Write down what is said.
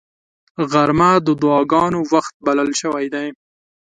غرمه د دعاګانو وخت بلل شوی دی